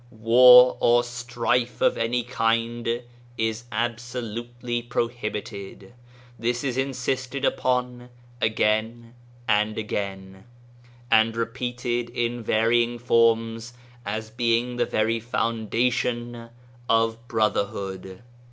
War or strife of any kind is absolutely pro hibited. This is insisted upon again and again, and repeated in varying forms as being the very foundation of brotherhood.